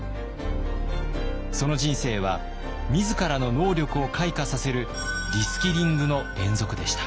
その人生は自らの能力を開花させるリスキリングの連続でした。